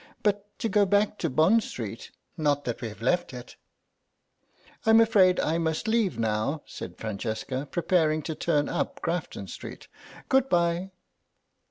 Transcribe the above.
But to go back to Bond Street—not that we've left it—" "I'm afraid I must leave it now," said Francesca, preparing to turn up Grafton Street; "Good bye."